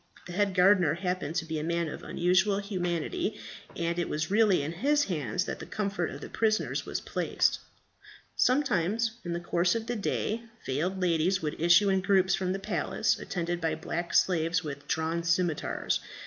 The head gardener happened to be a man of unusual humanity, and it was really in his hands that the comfort of the prisoners was placed. Sometimes in the course of the day, veiled ladies would issue in groups from the palace, attended by black slaves with drawn scimitars.